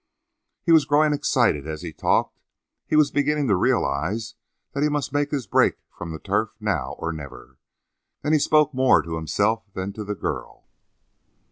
He was growing excited as he talked; he was beginning to realize that he must make his break from the turf now or never. And he spoke more to himself than to the girl.